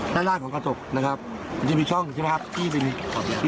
ด้านล่างของกระจกนะครับมันจะมีช่องใช่ไหมครับที่เป็น